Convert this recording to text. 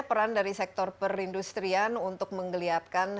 peran dari sektor perindustrian untuk menggeliatkan